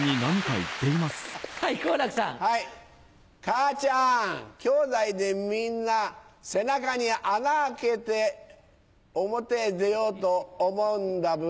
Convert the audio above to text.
母ちゃん兄弟でみんな背中に穴開けて表へ出ようと思うんだブ。